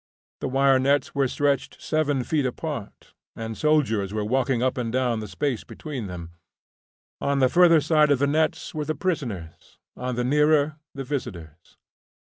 The wire nets were stretched 7 feet apart, and soldiers were walking up and down the space between them. On the further side of the nets were the prisoners, on the nearer, the visitors.